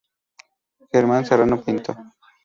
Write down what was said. Germán Serrano Pinto.